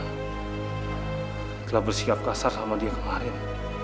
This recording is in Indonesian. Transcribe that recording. setelah bersikap kasar sama dia kemarin